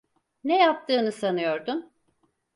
Ne yaptığını sanıyordun?